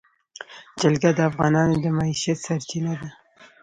جلګه د افغانانو د معیشت سرچینه ده.